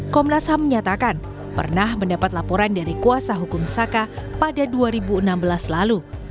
komnas ham menyatakan pernah mendapat laporan dari kuasa hukum saka pada dua ribu enam belas lalu